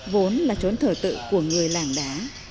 vốn là trốn thở tự của người làng đá